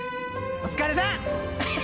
お疲れさん！